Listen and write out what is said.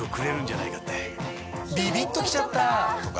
ビビッときちゃった！とか